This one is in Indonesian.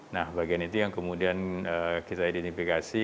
nah bagian itu yang kemudian kita identifikasi